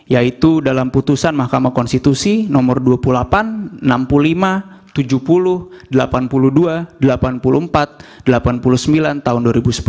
yaitu dalam putusan mahkamah konstitusi nomor dua puluh delapan enam puluh lima tujuh puluh delapan puluh dua delapan puluh empat delapan puluh sembilan tahun dua ribu sepuluh